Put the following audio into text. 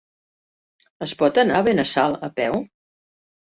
Es pot anar a Benassal a peu?